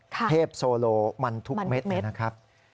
เทพโซโลมันทุกเม็ดเลยนะครับ